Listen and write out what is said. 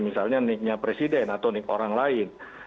misalnya nick nya presiden atau nick orang lain